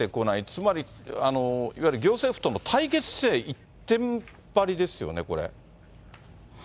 つまりいわゆる行政府との対決姿勢一点張りですよね、これ。